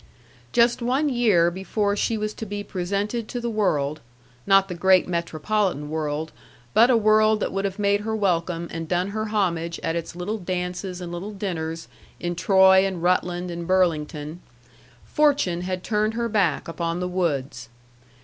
Just one year before she was to be presented to the world not the great metropolitan world, but a world that would have made her welcome and done her homage at its little dances and little dinners in Troy and Rutland and Burlington fortune had turned her back upon the Woods.